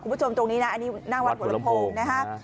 คุณผู้ชมตรงนี้นะอันนี้หน้าวัดหัวลำโพงนะฮะ